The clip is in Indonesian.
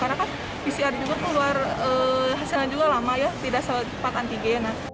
karena kan pcr juga keluar hasilnya juga lama ya tidak sempat antigen